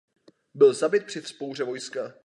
Byl zabit při vzpouře vojska.